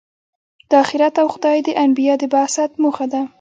دا آخرت او خدای د انبیا د بعثت موخه ده.